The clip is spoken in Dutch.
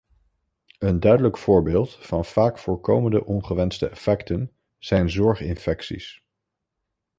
Een duidelijk voorbeeld van vaak voorkomende ongewenste effecten zijn zorginfecties.